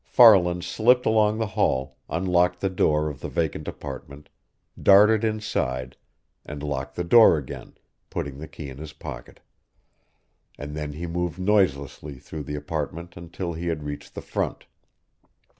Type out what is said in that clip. Farland slipped along the hall, unlocked the door of the vacant apartment, darted inside, and locked the door again, putting the key in his pocket. And then he moved noiselessly through the apartment until he had reached the front.